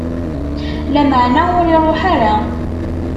Lameɛna ur iṛuḥ ara.